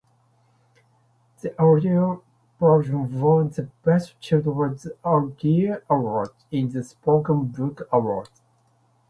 The audio version won the Best Children's Audio award in the Spoken Book Awards.